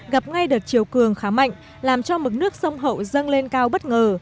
gặp ngay đợt chiều cường khá mạnh làm cho mực nước sông hậu dâng lên cao bất ngờ